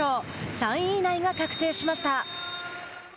３位以内が確定しました。